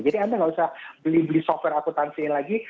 jadi anda nggak usah beli beli software akutansi lagi